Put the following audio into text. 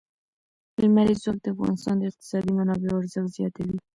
لمریز ځواک د افغانستان د اقتصادي منابعو ارزښت زیاتوي.